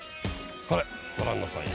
これご覧なさいよ。